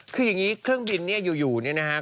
คืออย่างนี้เครื่องบินเนี่ยอยู่เนี่ยนะครับ